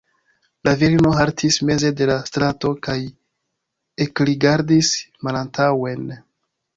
La virino haltis meze de la strato kaj ekrigardis malantaŭen.